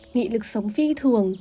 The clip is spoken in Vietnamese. nghị lực sống phi thường